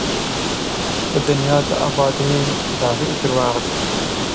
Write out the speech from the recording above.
د دنیا د ابادۍ دعوې درواغ دي.